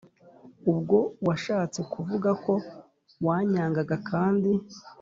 Ubwo washatse kuvuga ko wanyangaga kandi